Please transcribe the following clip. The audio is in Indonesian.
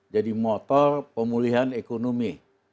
jadi motor pemulihan ekonomi